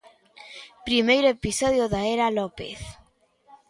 Primeiro episodio da era López.